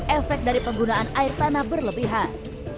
efek dari penggunaan air tanah berlebihan